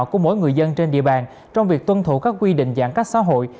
của mỗi người dân trên địa bàn trong việc tuân thủ các quy định giãn cách xã hội